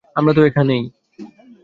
আমরা তো এখানেই।